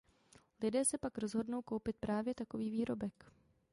Lidé se pak rozhodnou koupit právě takový výrobek.